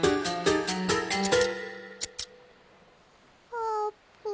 あーぷん。